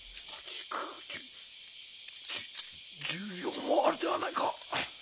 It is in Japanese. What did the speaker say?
１０両もあるではないか。